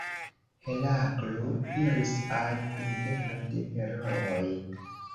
Heraklo iris al kunveno de herooj.